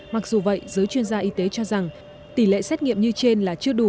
mặc dù vậy giới chuyên gia y tế cho rằng tỷ lệ xét nghiệm như trên là chưa đủ